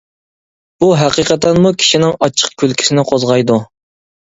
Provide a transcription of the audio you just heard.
بۇ ھەقىقەتەنمۇ كىشىنىڭ ئاچچىق كۈلكىسىنى قوزغايدۇ.